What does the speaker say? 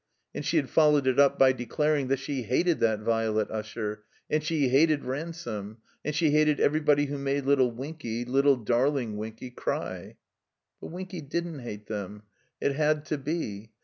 And she had followed it up by declaring that she hated that Violet Usher; and she hated Ransome; she hated everybody who made little Winky, little darling Winky, cry. But Winky didn't hate them. It had to be.